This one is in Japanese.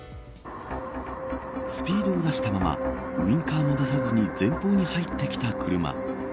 スピードを出したままウインカーも出さずに前方に入ってきた車。